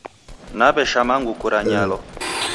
Naweshama nguku ra nyalo